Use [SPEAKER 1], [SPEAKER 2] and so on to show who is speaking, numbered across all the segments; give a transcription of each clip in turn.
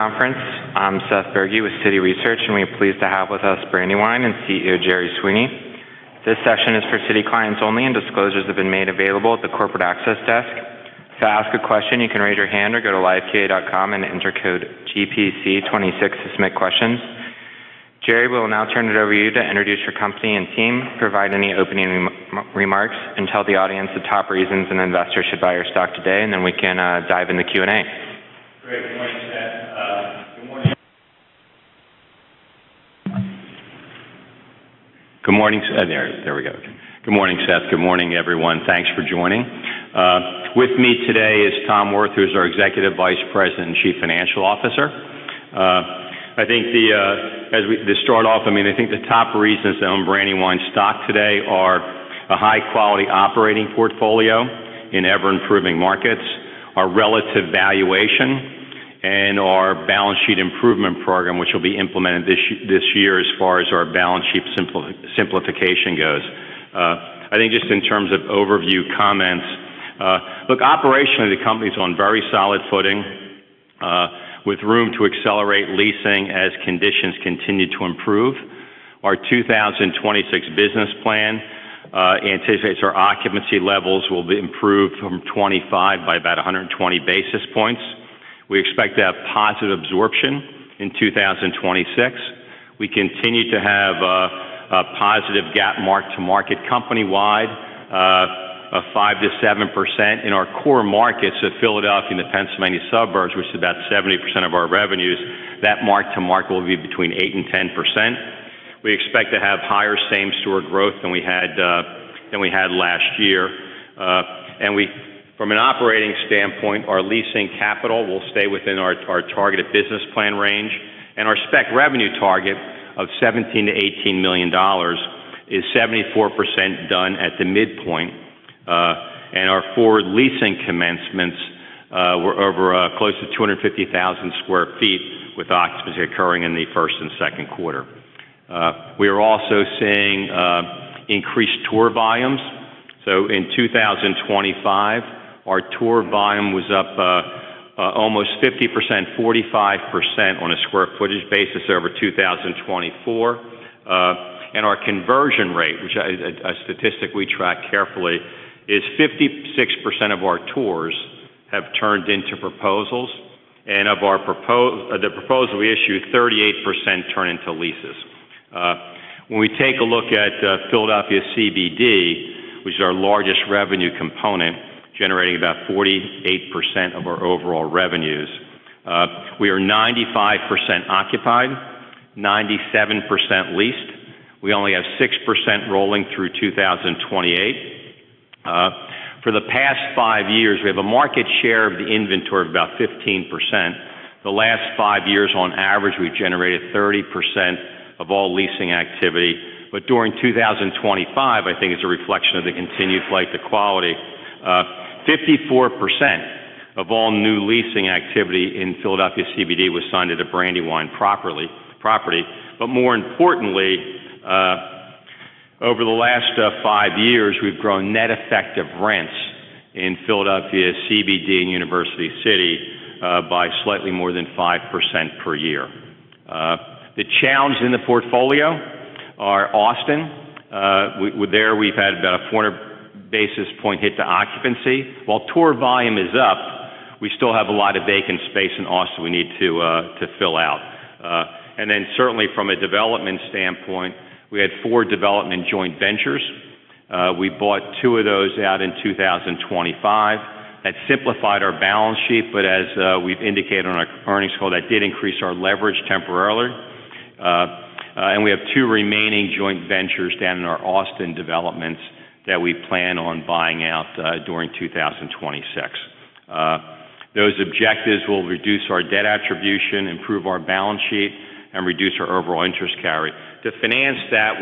[SPEAKER 1] Conference. I'm Seth Bergey with Citi Research. We are pleased to have with us Brandywine and CEO Jerry Sweeney. This session is for Citi clients only. Disclosures have been made available at the corporate access desk. To ask a question, you can raise your hand or go to liveqa.com and enter code GPC26 to submit questions. Gerry, we'll now turn it over to you to introduce your company and team, provide any opening remarks, tell the audience the top reasons an investor should buy your stock today, then we can dive into Q&A.
[SPEAKER 2] Great. Good morning, Seth. Good morning. Good morning. There we go. Good morning, Seth. Good morning, everyone. Thanks for joining. With me today is Tom Wirth, who's our Executive Vice President and Chief Financial Officer. I mean, I think the top reasons to own Brandywine stock today are a high-quality operating portfolio in ever-improving markets, our relative valuation, and our balance sheet improvement program, which will be implemented this year as far as our balance sheet simplification goes. I think just in terms of overview comments, look, operationally, the company's on very solid footing, with room to accelerate leasing as conditions continue to improve. Our 2026 business plan anticipates our occupancy levels will be improved from 25 by about 120 basis points. We expect to have positive absorption in 2026. We continue to have a positive GAAP mark-to-market company-wide of 5%-7%. In our core markets of Philadelphia and the Pennsylvania suburbs, which is about 70% of our revenues, that mark-to-market will be between 8% and 10%. We expect to have higher same-store growth than we had last year. From an operating standpoint, our leasing capital will stay within our targeted business plan range, and our spec revenue target of $17 million-$18 million is 74% done at the midpoint. Our forward leasing commencements were over close to 250,000 sq ft, with occupancy occurring in the first and second quarter. We are also seeing increased tour volumes. In 2025, our tour volume was up almost 50%, 45% on a square footage basis over 2024. Our conversion rate, which I, a statistic we track carefully, is 56% of our tours have turned into proposals. The proposal we issue, 38% turn into leases. When we take a look at Philadelphia CBD, which is our largest revenue component, generating about 48% of our overall revenues, we are 95% occupied, 97% leased. We only have 6% rolling through 2028. For the past five years, we have a market share of the inventory of about 15%. The last five years, on average, we've generated 30% of all leasing activity. During 2025, I think as a reflection of the continued flight to quality, 54% of all new leasing activity in Philadelphia CBD was signed at a Brandywine property. More importantly, over the last five years, we've grown net effective rents in Philadelphia CBD and University City by slightly more than 5% per year. The challenge in the portfolio are Austin. There we've had about a 400 basis point hit to occupancy. While tour volume is up, we still have a lot of vacant space in Austin we need to fill out. Certainly from a development standpoint, we had four development joint ventures. We bought two of those out in 2025. That simplified our balance sheet, but as we've indicated on our earnings call, that did increase our leverage temporarily. We have two remaining joint ventures down in our Austin developments that we plan on buying out during 2026. Those objectives will reduce our debt attribution, improve our balance sheet, and reduce our overall interest carry. To finance that,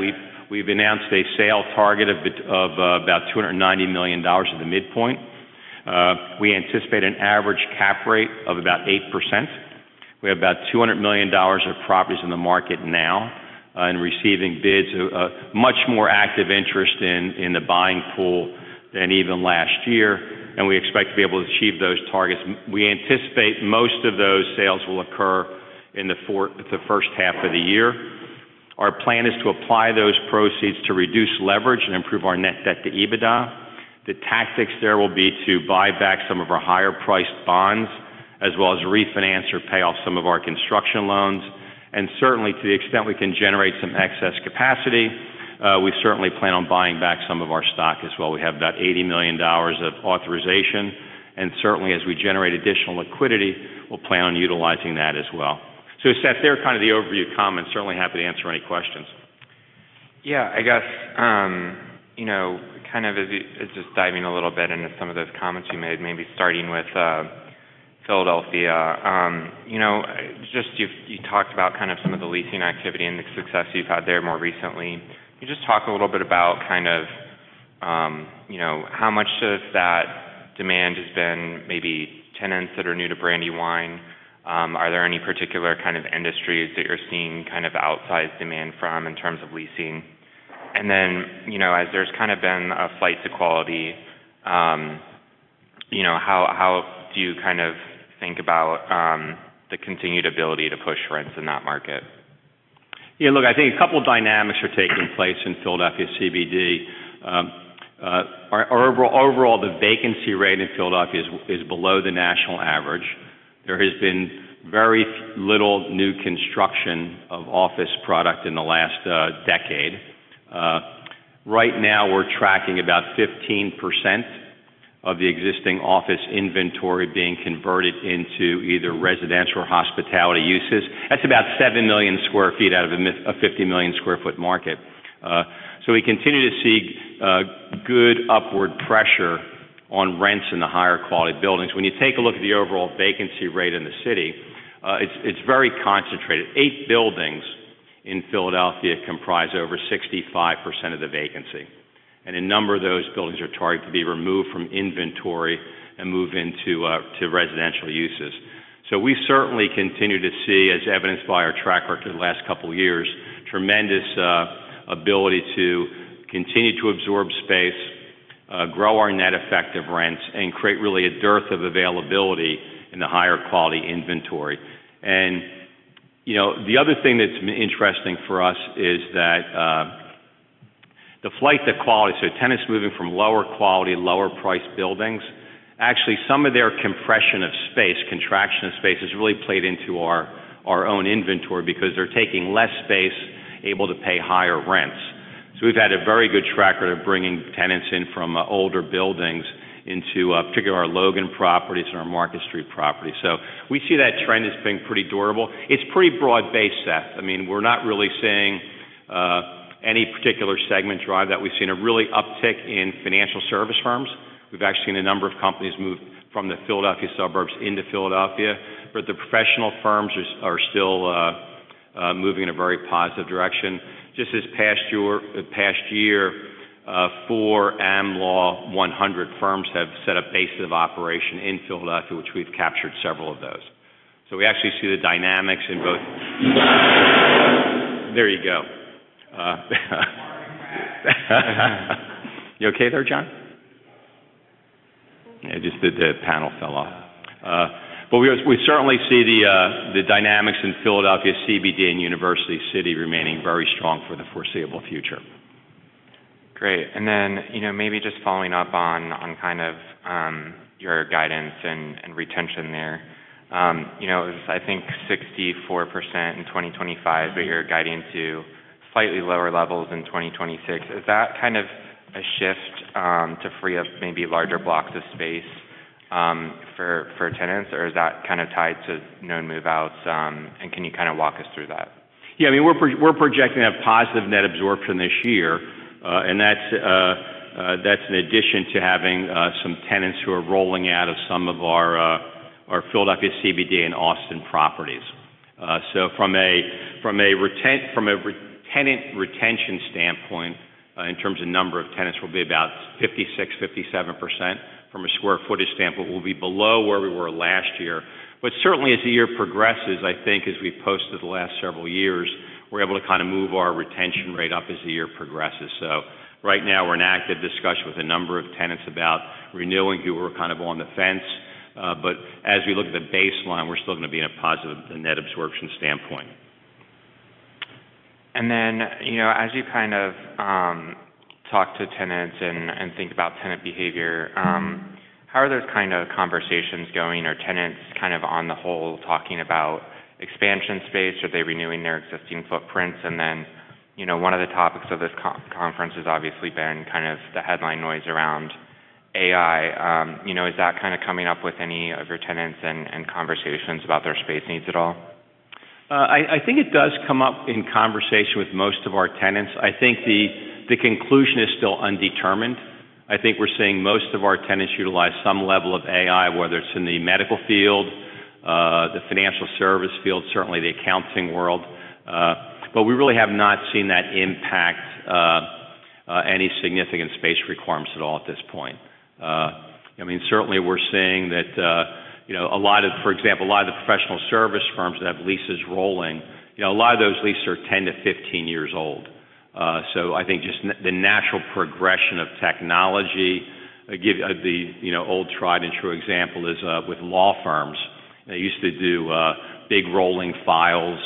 [SPEAKER 2] we've announced a sale target of about $290 million at the midpoint. We anticipate an average cap rate of about 8%. We have about $200 million of properties in the market now and receiving bids, much more active interest in the buying pool than even last year. We expect to be able to achieve those targets. We anticipate most of those sales will occur in the first half of the year. Our plan is to apply those proceeds to reduce leverage and improve our net debt to EBITDA. The tactics there will be to buy back some of our higher priced bonds as well as refinance or pay off some of our construction loans. Certainly, to the extent we can generate some excess capacity, we certainly plan on buying back some of our stock as well. We have about $80 million of authorization, certainly, as we generate additional liquidity, we'll plan on utilizing that as well. Seth, they're kind of the overview comments. Certainly happy to answer any questions.
[SPEAKER 1] Yeah. I guess, you know, kind of as just diving a little bit into some of those comments you made, maybe starting with Philadelphia. You know, just you've, you talked about kind of some of the leasing activity and the success you've had there more recently. Can you just talk a little bit about kind of, you know, how much of that demand has been maybe tenants that are new to Brandywine? Are there any particular kind of industries that you're seeing kind of outsized demand from in terms of leasing? Then, you know, as there's kind of been a flight to quality, you know, how do you kind of think about the continued ability to push rents in that market?
[SPEAKER 2] Yeah, look, I think a couple of dynamics are taking place in Philadelphia CBD. Overall, the vacancy rate in Philadelphia is below the national average. There has been very little new construction of office product in the last decade. Right now, we're tracking about 15% of the existing office inventory being converted into either residential or hospitality uses. That's about million sq ft out of a 50 million sq ft market. We continue to see good upward pressure on rents in the higher quality buildings. When you take a look at the overall vacancy rate in the city, it's very concentrated. Eight buildings in Philadelphia comprise over 65% of the vacancy, and a number of those buildings are targeted to be removed from inventory and move into residential uses. We certainly continue to see, as evidenced by our track record for the last couple of years, tremendous ability to continue to absorb space, grow our net effective rents, and create really a dearth of availability in the higher quality inventory. You know, the other thing that's interesting for us is that the flight to quality. Tenants moving from lower quality, lower priced buildings. Actually, some of their compression of space, contraction of space, has really played into our own inventory because they're taking less space, able to pay higher rents. We've had a very good track record of bringing tenants in from older buildings into particularly our Logan properties and our Market Street properties. We see that trend as being pretty durable. It's pretty broad-based, Seth. I mean, we're not really seeing any particular segment drive that. We've seen a really uptick in financial service firms. We've actually seen a number of companies move from the Philadelphia suburbs into Philadelphia, but the professional firms are still moving in a very positive direction. Just this past year, four Am Law 100 firms have set up base of operation in Philadelphia, which we've captured several of those. We actually see the dynamics in both. There you go.
[SPEAKER 1] Sorry.
[SPEAKER 2] You okay there, John?
[SPEAKER 1] Yeah.
[SPEAKER 2] Yeah, just the panel fell off. We certainly see the dynamics in Philadelphia CBD and University City remaining very strong for the foreseeable future.
[SPEAKER 1] Great. You know, maybe just following up on kind of, your guidance and retention there. You know, it was, I think, 64% in 2025, but you're guiding to slightly lower levels in 2026. Is that kind of a shift, to free up maybe larger blocks of space, for tenants, or is that kind of tied to known move-outs? Can you kind of walk us through that?
[SPEAKER 2] I mean, we're projecting to have positive net absorption this year, and that's in addition to having some tenants who are rolling out of some of our Philadelphia CBD and Austin properties. From a re-tenant retention standpoint, in terms of number of tenants, we'll be about 56%, 57%. From a square footage standpoint, we'll be below where we were last year. Certainly, as the year progresses, I think as we've posted the last several years, we're able to kind of move our retention rate up as the year progresses. Right now, we're in active discussion with a number of tenants about renewing who are kind of on the fence. As we look at the baseline, we're still gonna be in a positive net absorption standpoint.
[SPEAKER 1] You know, as you kind of talk to tenants and think about tenant behavior, how are those kind of conversations going? Are tenants kind of on the whole talking about expansion space? Are they renewing their existing footprints? You know, one of the topics of this conference has obviously been kind of the headline noise around AI. You know, is that kind of coming up with any of your tenants and conversations about their space needs at all?
[SPEAKER 2] I think it does come up in conversation with most of our tenants. I think the conclusion is still undetermined. I think we're seeing most of our tenants utilize some level of AI, whether it's in the medical field, the financial service field, certainly the accounting world. We really have not seen that impact any significant space requirements at all at this point. I mean, certainly we're seeing that, you know, a lot of the professional service firms that have leases rolling, you know, a lot of those leases are 10-15 years old. I think just the natural progression of technology. Give the, you know, old tried and true example is with law firms. They used to do big rolling files.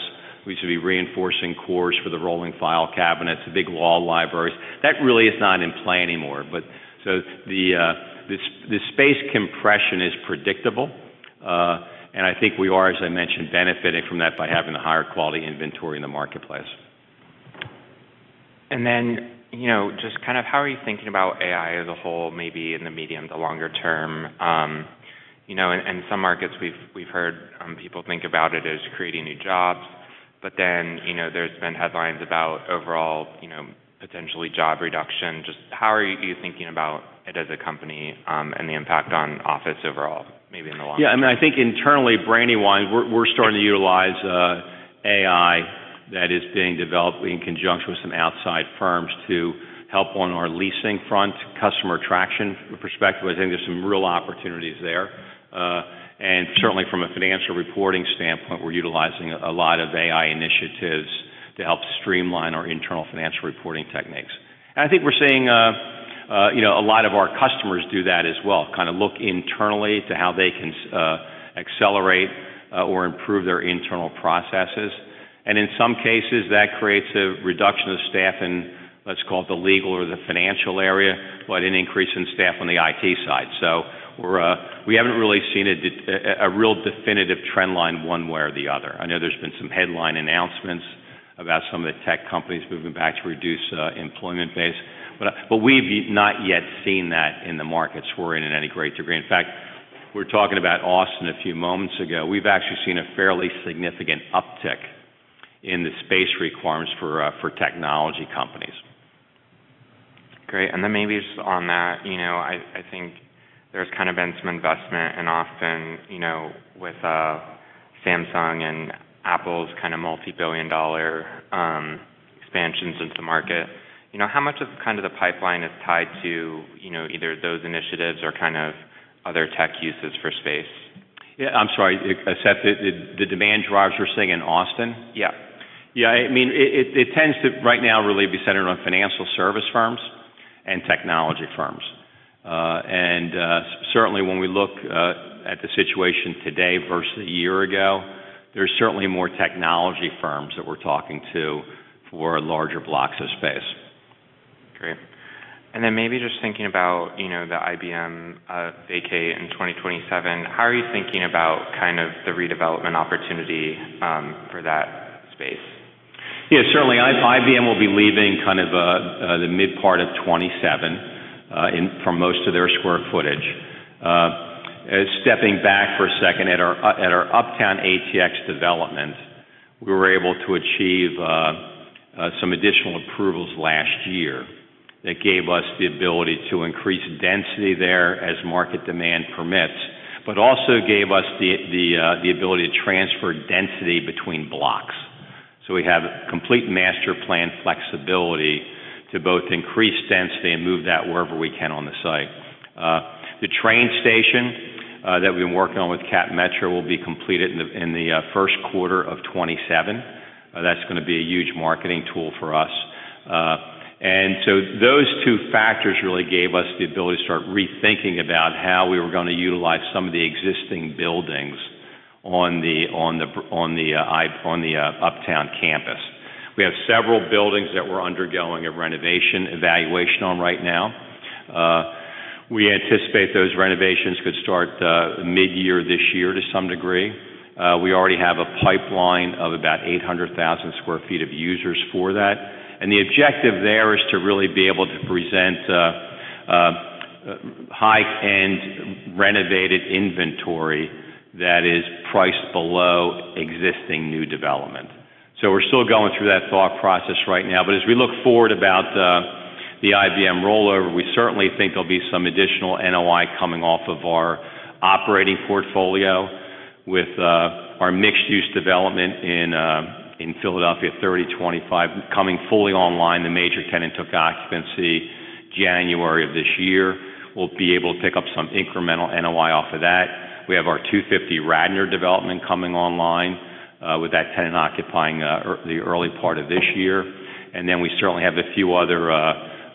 [SPEAKER 2] We used to be reinforcing cores for the rolling file cabinets, the big law libraries. That really is not in play anymore. The space compression is predictable, and I think we are, as I mentioned, benefiting from that by having the higher quality inventory in the marketplace.
[SPEAKER 1] You know, just kind of how are you thinking about AI as a whole, maybe in the medium to longer term? You know, in some markets we've heard, people think about it as creating new jobs, you know, there's been headlines about overall, you know, potentially job reduction. How are you thinking about it as a company, and the impact on office overall, maybe in the long term?
[SPEAKER 2] Yeah. I mean, I think internally, Brandywine, we're starting to utilize AI that is being developed in conjunction with some outside firms to help on our leasing front, customer traction perspective. I think there's some real opportunities there. Certainly from a financial reporting standpoint, we're utilizing a lot of AI initiatives to help streamline our internal financial reporting techniques. I think we're seeing, you know, a lot of our customers do that as well, kind of look internally to how they can accelerate or improve their internal processes. In some cases, that creates a reduction of staff in, let's call it the legal or the financial area, but an increase in staff on the IT side. We're, we haven't really seen a real definitive trend line one way or the other. I know there's been some headline announcements about some of the tech companies moving back to reduce employment base. We've not yet seen that in the markets we're in any great degree. In fact, we were talking about Austin a few moments ago. We've actually seen a fairly significant uptick in the space requirements for technology companies.
[SPEAKER 1] Great. Maybe just on that, you know, I think there's kind of been some investment in Austin, you know, with Samsung and Apple's kind of multi-billion dollar expansions into market. You know, how much of, kind of the pipeline is tied to, you know, either those initiatives or kind of other tech uses for space?
[SPEAKER 2] Yeah. I'm sorry, Seth. The demand drivers you're seeing in Austin?
[SPEAKER 1] Yeah.
[SPEAKER 2] Yeah. I mean, it tends to right now really be centered on financial service firms and technology firms. Certainly when we look at the situation today versus a year ago, there's certainly more technology firms that we're talking to for larger blocks of space.
[SPEAKER 1] Great. Maybe just thinking about, you know, the IBM, vacating in 2027, how are you thinking about kind of the redevelopment opportunity, for that space?
[SPEAKER 2] Yeah. Certainly, IBM will be leaving kind of the mid part of 2027 from most of their square footage. Stepping back for a second, at our Uptown ATX development, we were able to achieve some additional approvals last year that gave us the ability to increase density there as market demand permits, but also gave us the ability to transfer density between blocks. We have complete master plan flexibility to both increase density and move that wherever we can on the site. The train station that we've been working on with CapMetro will be completed in the first quarter of 2027. That's gonna be a huge marketing tool for us. Those two factors really gave us the ability to start rethinking about how we were going to utilize some of the existing buildings on the Uptown campus. We have several buildings that we're undergoing a renovation evaluation on right now. We anticipate those renovations could start midyear this year to some degree. We already have a pipeline of about 800,000 sq ft of users for that. The objective there is to really be able to present high-end renovated inventory that is priced below existing new development. We're still going through that thought process right now. As we look forward about the IBM rollover, we certainly think there'll be some additional NOI coming off of our operating portfolio with our mixed-use development in Philadelphia, 3025 coming fully online. The major tenant took occupancy January of this year. We'll be able to pick up some incremental NOI off of that. We have our 250 Radnor development coming online with that tenant occupying the early part of this year. Then we certainly have a few other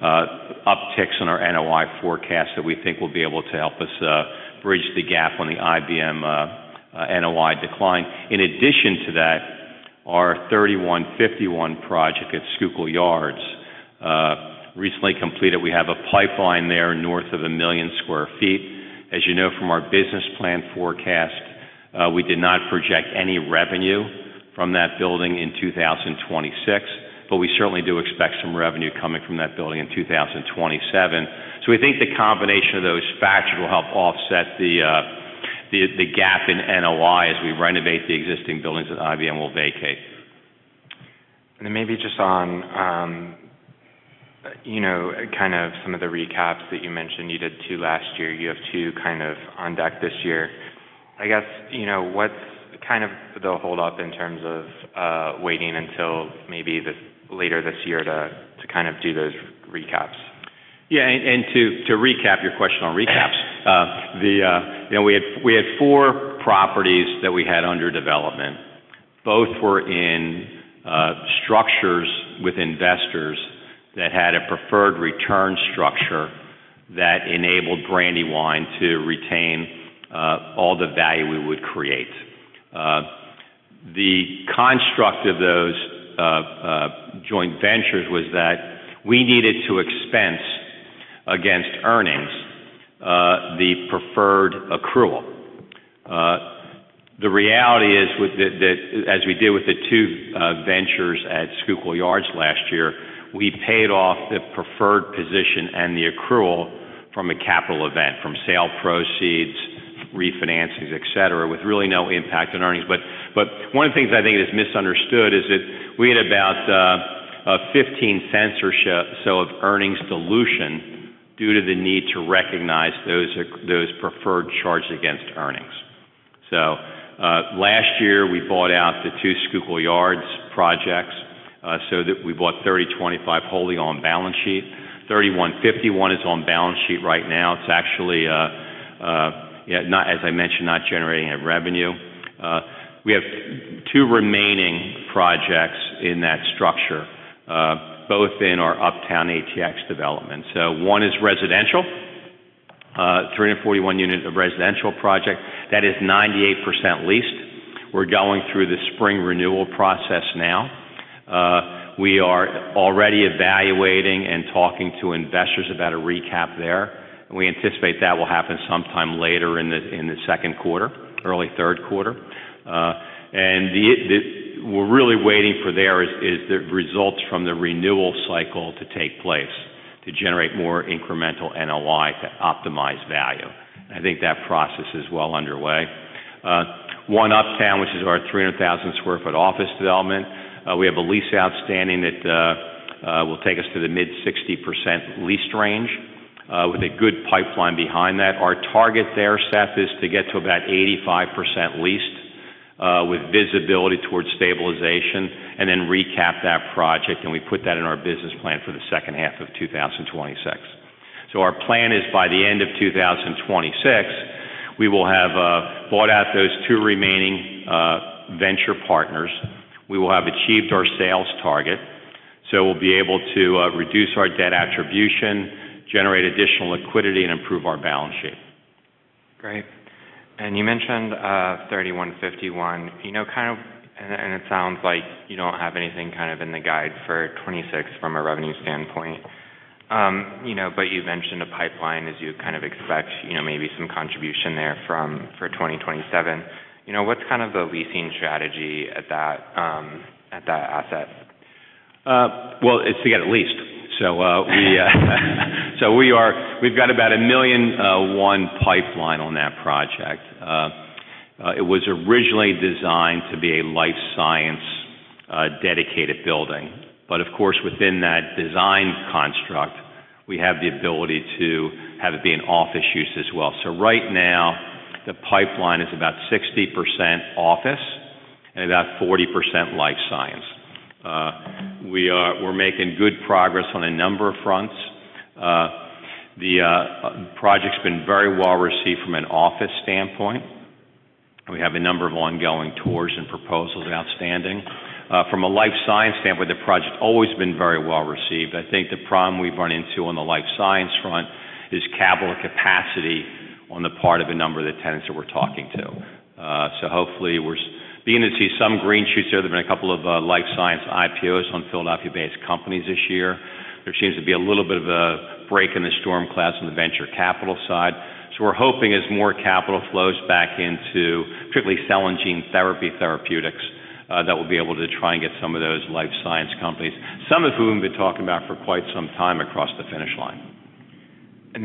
[SPEAKER 2] upticks in our NOI forecast that we think will be able to help us bridge the gap on the IBM NOI decline. In addition to that, our 3151 project at Schuylkill Yards recently completed. We have a pipeline there north of 1 million sq ft. As you know, from our business plan forecast, we did not project any revenue from that building in 2026, but we certainly do expect some revenue coming from that building in 2027. We think the combination of those factors will help offset the gap in NOI as we renovate the existing buildings that IBM will vacate.
[SPEAKER 1] Maybe just on, you know, kind of some of the recaps that you mentioned you did 2 last year. You have 2 kind of on deck this year. You know, what's kind of the hold up in terms of waiting until later this year to kind of do those recaps?
[SPEAKER 2] Yeah. To recap your question on recaps, you know, we had four properties that we had under development. Both were in structures with investors that had a preferred return structure that enabled Brandywine to retain all the value we would create. The construct of those joint ventures was that we needed to expense against earnings the preferred accrual. The reality is with as we did with the two ventures at Schuylkill Yards last year, we paid off the preferred position and the accrual from a capital event, from sale proceeds, refinances, et cetera, with really no impact on earnings. One of the things I think that's misunderstood is that we had about a $0.15 per share so of earnings dilution due to the need to recognize those preferred charges against earnings. Last year we bought out the two Schuylkill Yards projects, so that we 3025 wholly on balance sheet. 3151 is on balance sheet right now. It's actually, yeah, as I mentioned, not generating a revenue. We have two remaining projects in that structure, both in our Uptown ATX development. One is residential, 341 unit of residential project that is 98% leased. We're going through the spring renewal process now. We are already evaluating and talking to investors about a recap there. We anticipate that will happen sometime later in the second quarter, early third quarter. The results from the renewal cycle to take place to generate more incremental NOI to optimize value. I think that process is well underway. One Uptown, which is our 300,000 sq ft office development, we have a lease outstanding that will take us to the mid-60% leased range with a good pipeline behind that. Our target there, Seth, is to get to about 85% leased with visibility towards stabilization and then recap that project, and we put that in our business plan for the second half of 2026. Our plan is by the end of 2026, we will have bought out those two remaining venture partners. We will have achieved our sales target, so we'll be able to reduce our debt attribution, generate additional liquidity, and improve our balance sheet.
[SPEAKER 1] Great. You mentioned 3151. You know, kind of. It sounds like you don't have anything kind of in the guide for 2026 from a revenue standpoint. You know, you mentioned a pipeline as you kind of expect, you know, maybe some contribution there for 2027. You know, what's kind of the leasing strategy at that asset?
[SPEAKER 2] Well, it's to get it leased. We've got about a million, one pipeline on that project. It was originally designed to be a life science, dedicated building. Of course, within that design construct, we have the ability to have it be in office use as well. Right now, the pipeline is about 60% office and about 40% life science. We're making good progress on a number of fronts. The project's been very well received from an office standpoint. We have a number of ongoing tours and proposals outstanding. From a life science standpoint, the project's always been very well received. I think the problem we've run into on the life science front is capital capacity on the part of a number of the tenants that we're talking to. Hopefully we're beginning to see some green shoots there. There've been a couple of life science IPOs on Philadelphia-based companies this year. There seems to be a little bit of a break in the storm clouds on the venture capital side. We're hoping as more capital flows back into strictly cell and gene therapy therapeutics, that we'll be able to try and get some of those life science companies, some of whom we've been talking about for quite some time across the finish line.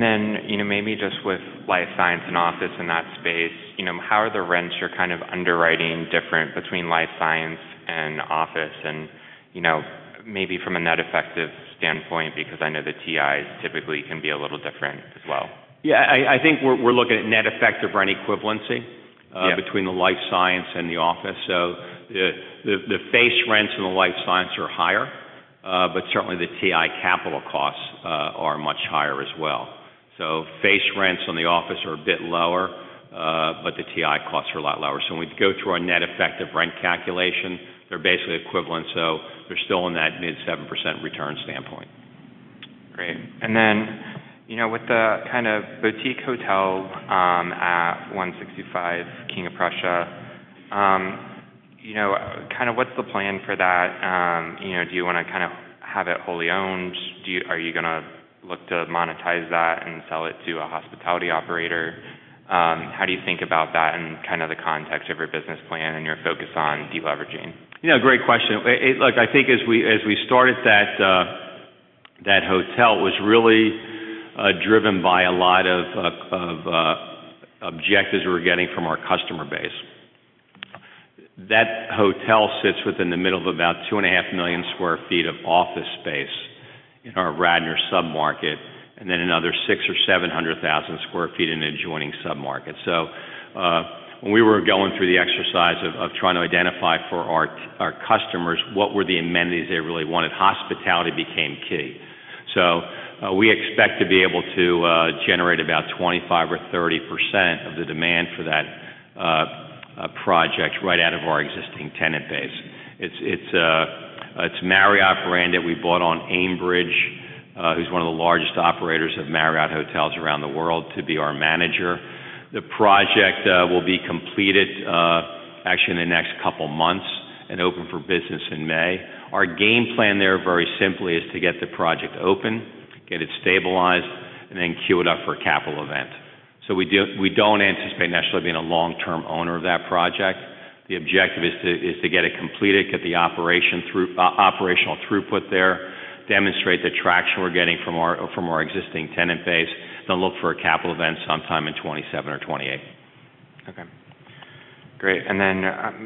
[SPEAKER 1] Then, you know, maybe just with life science and office in that space, you know, how are the rents you're kind of underwriting different between life science and office and, you know, maybe from a net effective standpoint, because I know the TIs typically can be a little different as well.
[SPEAKER 2] Yeah. I think we're looking at net effective rent equivalency...
[SPEAKER 1] Yeah...
[SPEAKER 2] between the life science and the office. The face rents in the life science are higher, but certainly the TI capital costs are much higher as well. Face rents on the office are a bit lower, but the TI costs are a lot lower. When we go through our net effective rent calculation, they're basically equivalent. They're still in that mid 7% return standpoint.
[SPEAKER 1] Great. Then, you know, with the kind of boutique hotel, at 165 King of Prussia, you know, kind of what's the plan for that? You know, do you wanna kind of have it wholly owned? Are you gonna look to monetize that and sell it to a hospitality operator? How do you think about that in kind of the context of your business plan and your focus on deleveraging?
[SPEAKER 2] Yeah, great question. Look, I think as we started that hotel was really driven by a lot of objectives we were getting from our customer base. That hotel sits within the middle of about 2.5 million sq ft of office space in our Radnor sub-market, and then another 600,000-700,000 sq ft in an adjoining sub-market. When we were going through the exercise of trying to identify for our customers what were the amenities they really wanted, hospitality became key. We expect to be able to generate about 25%-30% of the demand for that project right out of our existing tenant base. It's Marriott brand that we bought on Aimbridge, who's one of the largest operators of Marriott hotels around the world, to be our manager. The project will be completed actually in the next couple months and open for business in May. Our game plan there, very simply, is to get the project open, get it stabilized, and then queue it up for a capital event. We don't anticipate necessarily being a long-term owner of that project. The objective is to get it completed, get the operational throughput there, demonstrate the traction we're getting from our existing tenant base, then look for a capital event sometime in 2027 or 2028.
[SPEAKER 1] Okay. Great.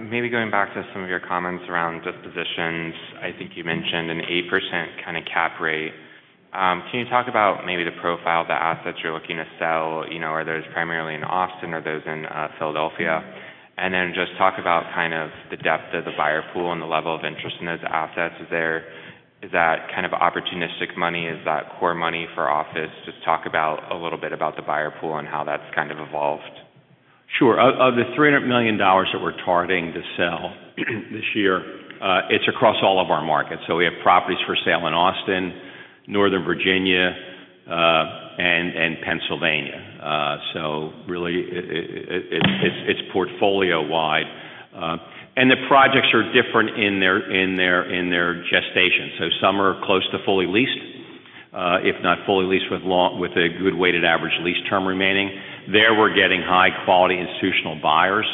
[SPEAKER 1] Maybe going back to some of your comments around dispositions. I think you mentioned an 8% kind of cap rate. Can you talk about maybe the profile of the assets you're looking to sell, you know, are those primarily in Austin, are those in Philadelphia? Just talk about kind of the depth of the buyer pool and the level of interest in those assets. Is that kind of opportunistic money? Is that core money for office? Just talk about a little bit about the buyer pool and how that's kind of evolved.
[SPEAKER 2] Sure. Of the $300 million that we're targeting to sell this year, it's across all of our markets. We have properties for sale in Austin, Northern Virginia, and Pennsylvania. really it's portfolio wide. The projects are different in their gestation. Some are close to fully leased, if not fully leased with a good weighted average lease term remaining. There we're getting high quality institutional buyers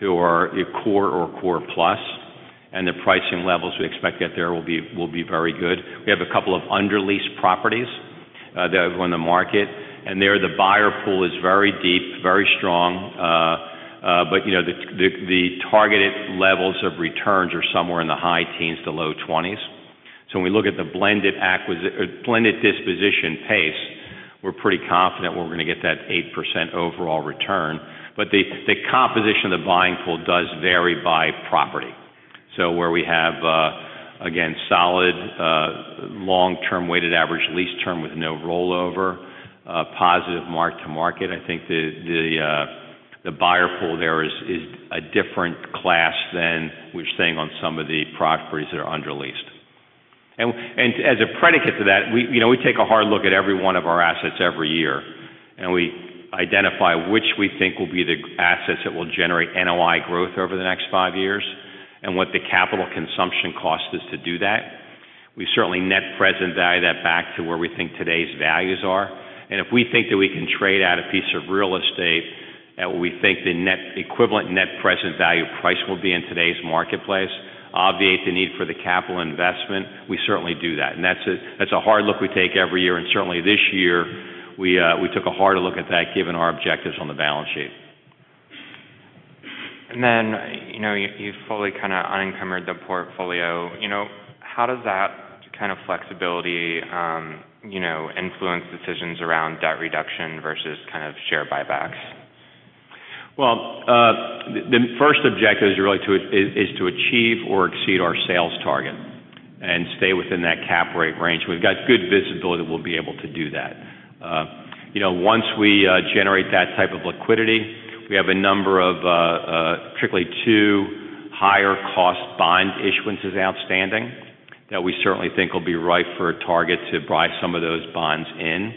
[SPEAKER 2] who are core or core plus, and the pricing levels we expect to get there will be very good. We have a couple of under-leased properties that are on the market, there the buyer pool is very deep, very strong, you know, the targeted levels of returns are somewhere in the high teens to low twenties. When we look at the blended or blended disposition pace, we're pretty confident we're gonna get that 8% overall return. The composition of the buying pool does vary by property. Where we have, again, solid, long-term weighted average lease term with no rollover, positive mark-to-market, I think the buyer pool there is a different class than we're seeing on some of the properties that are under-leased. As a predicate to that, we know, we take a hard look at every one of our assets every year, and we identify which we think will be the assets that will generate NOI growth over the next five years and what the capital consumption cost is to do that. We certainly net present value that back to where we think today's values are. If we think that we can trade out a piece of real estate at what we think the net equivalent net present value price will be in today's marketplace, obviate the need for the capital investment, we certainly do that. That's a hard look we take every year. Certainly this year, we took a harder look at that given our objectives on the balance sheet.
[SPEAKER 1] You know, you've fully kind of unencumbered the portfolio. You know, how does that kind of flexibility, you know, influence decisions around debt reduction versus kind of share buybacks?
[SPEAKER 2] Well, the first objective is really to achieve or exceed our sales target and stay within that cap rate range. We've got good visibility that we'll be able to do that. You know, once we generate that type of liquidity, we have a number of, particularly two higher cost bond issuances outstanding that we certainly think will be ripe for a target to buy some of those bonds in.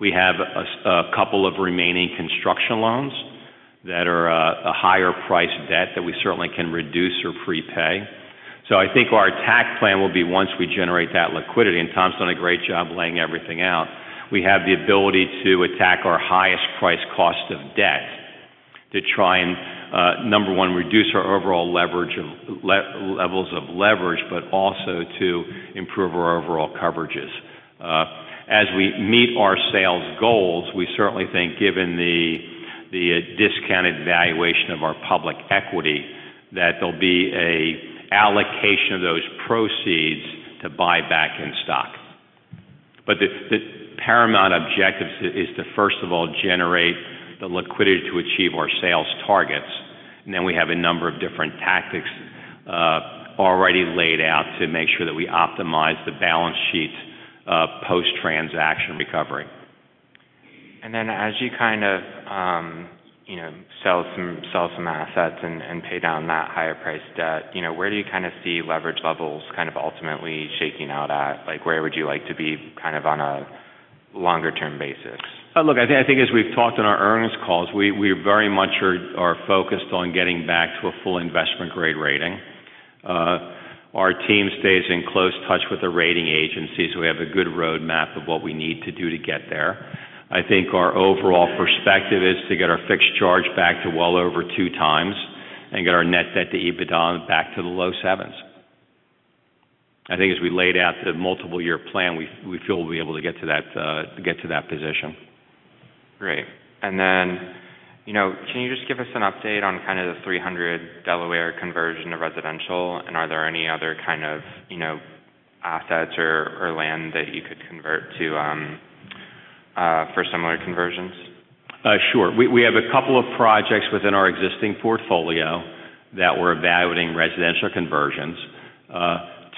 [SPEAKER 2] We have a couple of remaining construction loans that are a higher priced debt that we certainly can reduce or prepay. I think our attack plan will be once we generate that liquidity, and Tom's done a great job laying everything out. We have the ability to attack our highest price cost of debt to try and, number one, reduce our overall levels of leverage, but also to improve our overall coverages. As we meet our sales goals, we certainly think given the discounted valuation of our public equity, that there'll be a allocation of those proceeds to buy back in stock. The paramount objective is to, first of all, generate the liquidity to achieve our sales targets. Then we have a number of different tactics already laid out to make sure that we optimize the balance sheet post-transaction recovery.
[SPEAKER 1] Then as you kind of, you know, sell some assets and pay down that higher priced debt, you know, where do you kind of see leverage levels kind of ultimately shaking out at? Like, where would you like to be kind of on a longer-term basis?
[SPEAKER 2] Look, I think as we've talked in our earnings calls, we very much are focused on getting back to a full investment grade rating. Our team stays in close touch with the rating agencies. We have a good roadmap of what we need to do to get there. I think our overall perspective is to get our fixed charge back to well over two times and get our net debt to EBITDA back to the low 7s. I think as we laid out the multiple year plan, we feel we'll be able to get to that position.
[SPEAKER 1] Great. You know, can you just give us an update on kind of the 300 Delaware conversion to residential? Are there any other kind of, you know, assets or land that you could convert to, for similar conversions?
[SPEAKER 2] Sure. We have a couple of projects within our existing portfolio that we're evaluating residential conversions.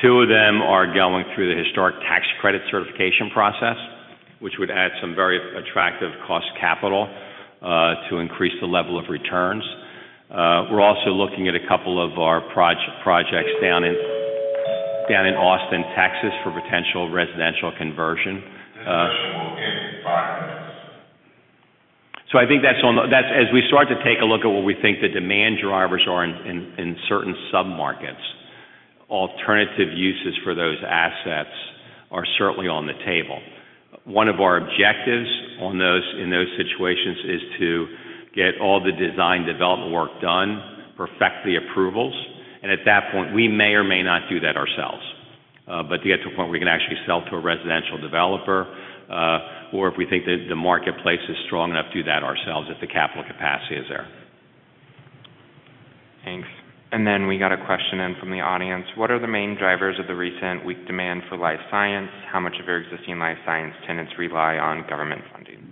[SPEAKER 2] Two of them are going through the Historic Tax Credit certification process, which would add some very attractive cost capital to increase the level of returns. We're also looking at a couple of our projects down in Austin, Texas for potential residential conversion. This session will end in five minutes. I think that's as we start to take a look at what we think the demand drivers are in certain sub-markets, alternative uses for those assets are certainly on the table. One of our objectives in those situations is to get all the design development work done, perfect the approvals, and at that point, we may or may not do that ourselves. To get to a point where we can actually sell to a residential developer, or if we think that the marketplace is strong enough, do that ourselves if the capital capacity is there.
[SPEAKER 1] Thanks. We got a question in from the audience. What are the main drivers of the recent weak demand for life science? How much of your existing life science tenants rely on government funding?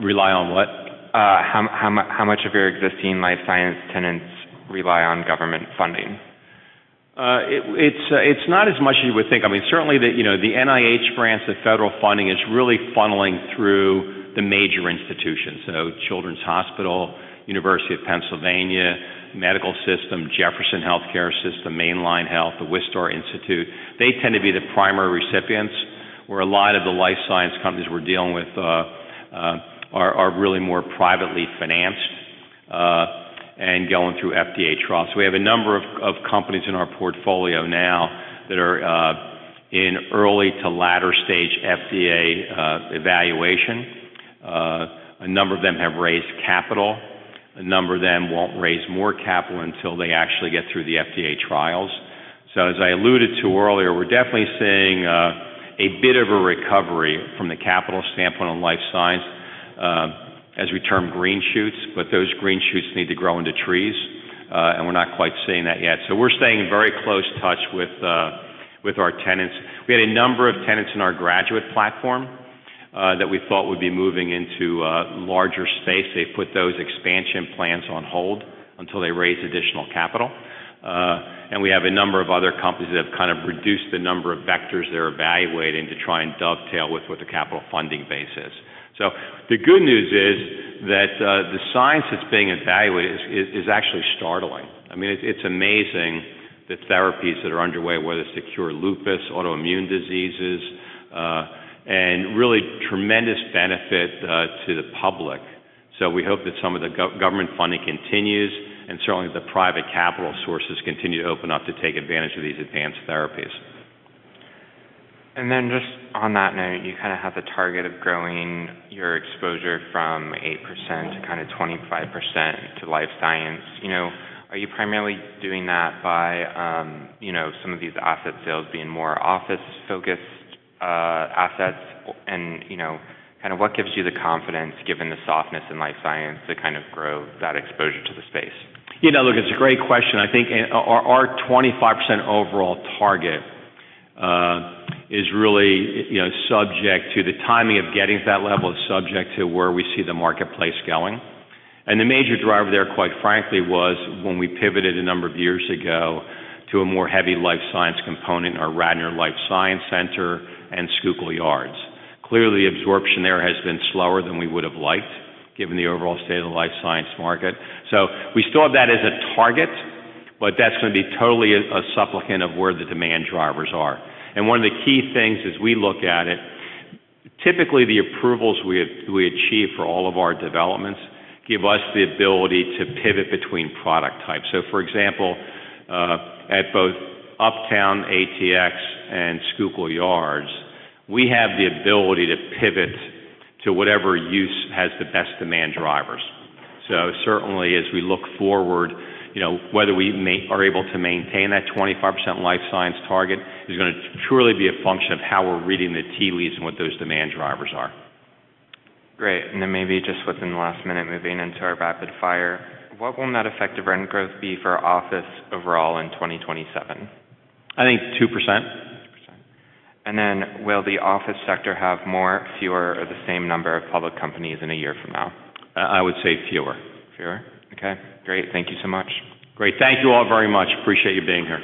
[SPEAKER 2] Rely on what?
[SPEAKER 1] How much of your existing life science tenants rely on government funding?
[SPEAKER 2] It's not as much as you would think. I mean, certainly, you know, the NIH grants, the federal funding is really funneling through the major institutions. Children's Hospital, University of Pennsylvania Medical System, Jefferson Healthcare System, Main Line Health, The Wistar Institute. They tend to be the primary recipients, where a lot of the life science companies we're dealing with are really more privately financed and going through FDA trials. We have a number of companies in our portfolio now that are in early to latter stage FDA evaluation. A number of them have raised capital. A number of them won't raise more capital until they actually get through the FDA trials. As I alluded to earlier, we're definitely seeing a bit of a recovery from the capital standpoint on life science, as we term green shoots. Those green shoots need to grow into trees, and we're not quite seeing that yet. We're staying in very close touch with our tenants. We had a number of tenants in our graduate platform that we thought would be moving into larger space. They've put those expansion plans on hold until they raise additional capital. We have a number of other companies that have kind of reduced the number of vectors they're evaluating to try and dovetail with what the capital funding base is. The good news is that the science that's being evaluated is actually startling. I mean, it's amazing the therapies that are underway, whether it's to cure lupus, autoimmune diseases, really tremendous benefit to the public. We hope that some of the government funding continues, certainly that the private capital sources continue to open up to take advantage of these advanced therapies.
[SPEAKER 1] Just on that note, you kind of have the target of growing your exposure from 8% to kind of 25% to life science. You know, are you primarily doing that by, you know, some of these asset sales being more office-focused assets? You know, kind of what gives you the confidence, given the softness in life science, to kind of grow that exposure to the space?
[SPEAKER 2] You know, look, it's a great question. I think, our 25% overall target is really, you know, subject to the timing of getting to that level is subject to where we see the marketplace going. The major driver there, quite frankly, was when we pivoted a number of years ago to a more heavy life science component in our Radnor Life Science Center and Schuylkill Yards. Clearly, absorption there has been slower than we would've liked, given the overall state of the life science market. We still have that as a target, but that's gonna be totally a supplicant of where the demand drivers are. One of the key things as we look at it, typically the approvals we achieve for all of our developments give us the ability to pivot between product types. For example, at both Uptown ATX and Schuylkill Yards, we have the ability to pivot to whatever use has the best demand drivers. Certainly as we look forward, you know, whether we are able to maintain that 25% life science target is gonna truly be a function of how we're reading the tea leaves and what those demand drivers are.
[SPEAKER 1] Great. Maybe just within the last minute, moving into our rapid fire. What will net effective rent growth be for office overall in 2027?
[SPEAKER 2] I think it's 2%.
[SPEAKER 1] 2%. Will the office sector have more, fewer or the same number of public companies in one year from now?
[SPEAKER 2] I would say fewer.
[SPEAKER 1] Fewer? Okay, great. Thank you so much.
[SPEAKER 2] Great. Thank you all very much. Appreciate you being here.